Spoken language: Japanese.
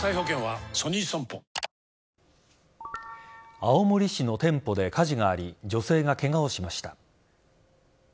青森市の店舗で火事があり女性がケガをしました。